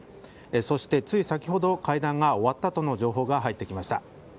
そしてつい先ほど会談が終わったとの情報が入ってきました。